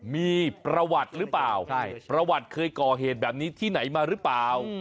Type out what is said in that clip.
มีประวัติหรือเปล่าประวัติเคยก่อเหตุแบบนี้ที่ไหนมาหรือเปล่า